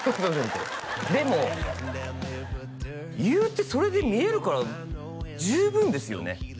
いうてそれで見えるから十分ですよね